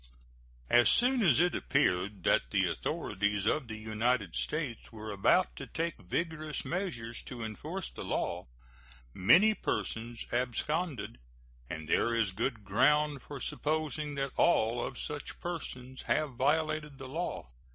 As soon as it appeared that the authorities of the United States were about to take vigorous measures to enforce the law, many persons absconded, and there is good ground for supposing that all of such persons have violated the law.